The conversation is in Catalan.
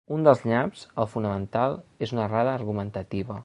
Un dels nyaps, el fonamental, és una errada argumentativa.